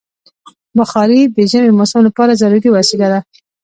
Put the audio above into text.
بخاري د ژمي موسم لپاره ضروري وسیله ده.